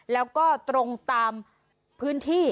แล้วก็ตรงตามพื้นที่